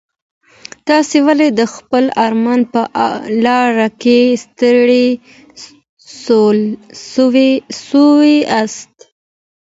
تاسي ولي د خپل ارمان په لاره کي ستړي سواست؟